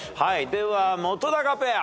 では本ペア。